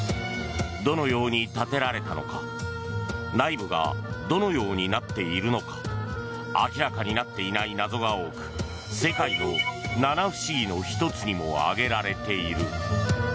どのように建てられたのか内部がどのようになっているのか明らかになっていない謎が多く世界の七不思議の１つにも挙げられている。